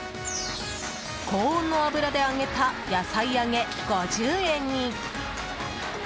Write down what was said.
高温の油で揚げた野菜揚げ、５０円に。